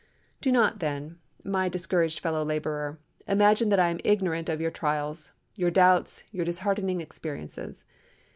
Do not, then, my discouraged fellow laborer, imagine that I am ignorant of your trials, your doubts, your disheartening experiences.